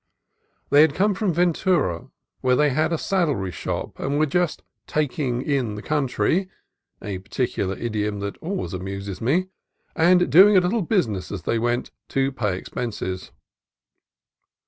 They had come from Ventura, where they had a saddlery shop, and were "just taking in the country" (a pe culiar idiom that always amuses me) and doing a little business as they went, to pay expenses.